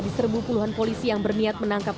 kepada seribu puluhan polisi yang berniat menangkap